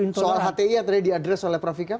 intoleransi soal hti yang tadi diadres oleh prof vika